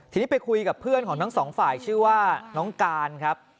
ทีนี้ไปคุยกับเพื่อนของทั้งสองฝ่ายชื่อว่าน้องการครับ